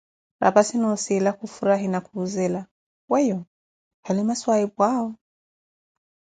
Raphassi nossila khufurahi, na kuhʼzela, weeyo halima swahiphuʼawo?